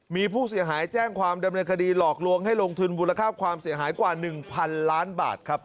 มีผู้เสียหายแจ้งความดำเนินคดีหลอกลวงให้ลงทุนมูลค่าความเสียหายกว่า๑๐๐๐ล้านบาทครับ